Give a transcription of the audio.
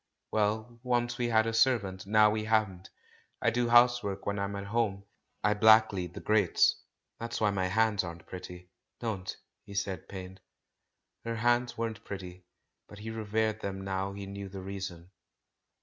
Well, once we had a servant. Now we haven't. I do housework when I'm at home — I blacklead the grates. That's why my hands aren't pretty." "Don't," he said, pained. Her hands weren't pretty, but he revered them now he knew the reason.